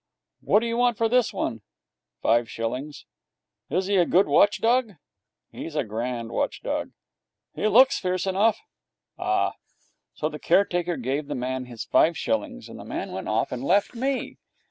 'What do you want for this one?' 'Five shillings.' 'Is he a good watch dog?' 'He's a grand watch dog.' 'He looks fierce enough.' 'Ah!' So the caretaker gave the man his five shillings, and the man went off and left me.